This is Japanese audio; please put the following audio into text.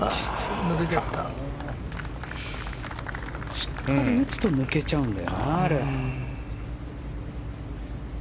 しっかり打つと抜けちゃうんだよな。